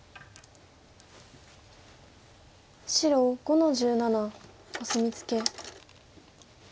白５の十七コスミツケ。